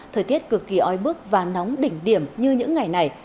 thời tiết cực kỳ oi bức và nóng đỉnh điểm như những ngày này